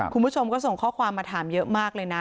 คุณผู้ชมก็ส่งข้อความมาถามเยอะมากเลยนะ